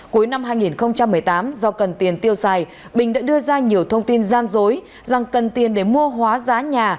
cuối năm hai nghìn một mươi tám do cần tiền tiêu xài bình đã đưa ra nhiều thông tin gian dối rằng cần tiền để mua hóa giá nhà